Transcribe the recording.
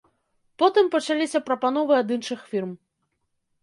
Потым пачаліся прапановы ад іншых фірм.